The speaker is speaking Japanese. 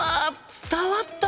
伝わった！